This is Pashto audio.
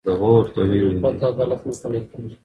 قانون پرته عدالت نه پلي کېږي